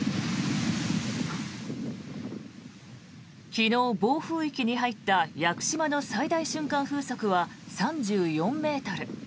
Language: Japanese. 昨日、暴風域に入った屋久島の最大瞬間風速は３４ｍ。